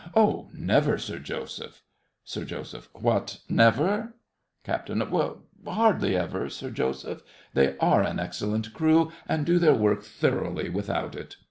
Oh, never, Sir Joseph. SIR JOSEPH. What, never? CAPT. Hardly ever, Sir Joseph. They are an excellent crew, and do their work thoroughly without it.